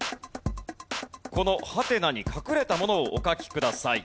このハテナに隠れたものをお描きください。